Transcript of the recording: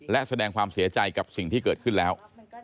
และแสดงความเสียใจกับสิ่งที่เกิดขึ้นแล้ว